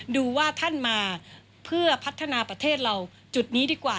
ดูว่าท่านมาเพื่อพัฒนาประเทศเราจุดนี้ดีกว่า